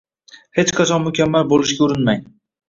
Hech qachon mukammal bo’lishga urinmang.